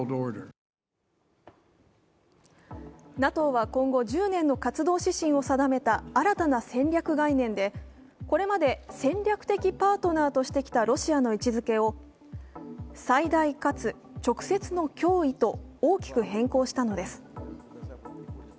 ＮＡＴＯは今後１０年の活動指針を定めた新たな戦略概念でこれまで戦略的パートナーとしてきたロシアの位置づけを最大かつ直接の脅威と大きく変更したのです。